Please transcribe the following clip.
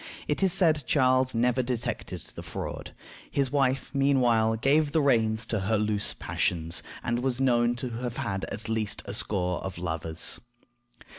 It is said Charles never detected the fraud. His wife, meanwhile, gave the reins to her loose passions, and was known to have had at least a score of lovers.